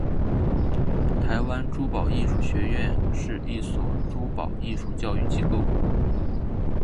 台湾珠宝艺术学院是一所珠宝艺术教育机构。